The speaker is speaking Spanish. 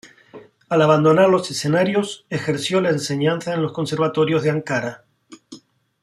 Al abandonar los escenarios ejerció la enseñanza en los Conservatorios de Ankara.